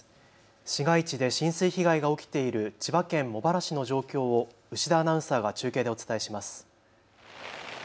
市街地で浸水被害が起きている千葉県茂原市の状況を牛田アナウンサーが中継でお伝えします。